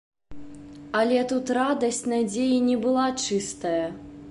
Але тут радасць надзеі не была чыстая.